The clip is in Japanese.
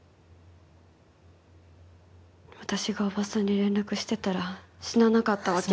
私がおばさんに連絡してたら死ななかったわけ？